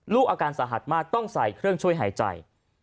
อาการสาหัสมากต้องใส่เครื่องช่วยหายใจ